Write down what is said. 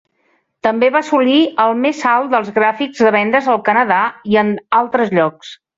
També va assolir el més alt dels gràfics de vendes al Canadà i en altres llocs.